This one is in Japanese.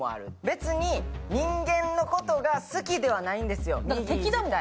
別に人間のことが好きではないんですよ。